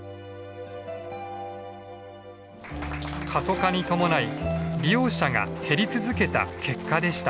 過疎化に伴い利用者が減り続けた結果でした。